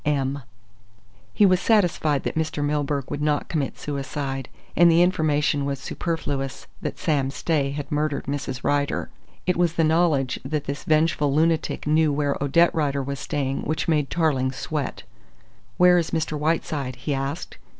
M." He was satisfied that Mr. Milburgh would not commit suicide, and the information was superfluous that Sam Stay had murdered Mrs. Rider. It was the knowledge that this vengeful lunatic knew where Odette Rider was staying which made Tarling sweat. "Where is Mr. Whiteside?" he asked.